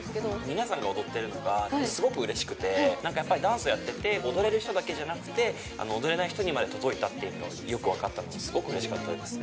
皆さんが踊ってるのがすごくなんか、やっぱダンスやってて、踊れる人だけじゃなくて、踊れない人にまで届いたっていうのがよく分かったので、すごくうれしかったですね。